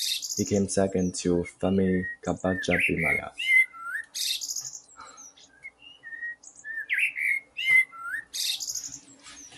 He came second to Femi Gbajabiamila.